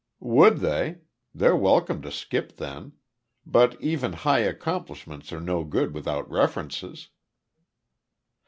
"Would they? They're welcome to skip, then. But even `high accomplishments' are no good without references."